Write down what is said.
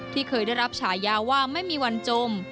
ที่เคยได้รับฉายาว่าไม่มีวันจม